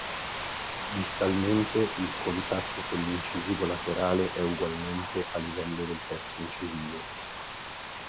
Distalmente il contatto con l'incisivo laterale è ugualmente a livello del terzo incisivo.